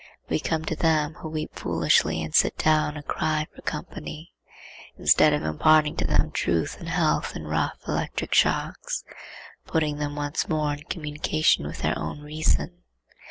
We come to them who weep foolishly and sit down and cry for company, instead of imparting to them truth and health in rough electric shocks, putting them once more in communication with their own reason.